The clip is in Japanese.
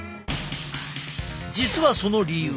実はその理由